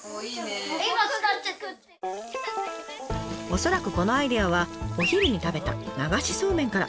恐らくこのアイデアはお昼に食べた流しそうめんから。